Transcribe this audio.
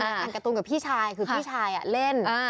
มันการ์ตูนกับพี่ชายคือพี่ชายเล่น